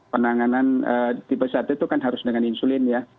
penanganan tipe satu itu kan harus dengan insulin ya